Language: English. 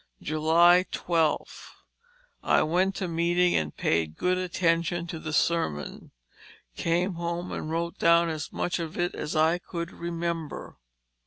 " 12. I went to meeting and paid good attention to the sermon, came home and wrote down as much of it as I could remember.